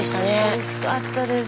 おいしかったです。